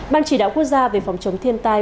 ban chỉ đạo quốc gia về phòng chống thiên tai